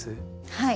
はい。